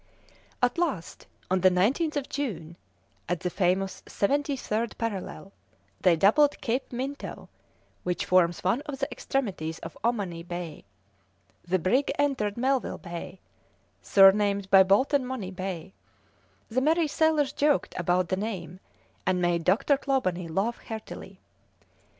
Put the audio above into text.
At last, on the 19th of June, at the famous seventy third parallel, they doubled Cape Minto, which forms one of the extremities of Ommaney Bay; the brig entered Melville Bay, surnamed by Bolton Money Bay; the merry sailors joked about the name, and made Dr. Clawbonny laugh heartily.